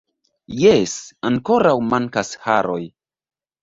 Jes, ankoraŭ mankas haroj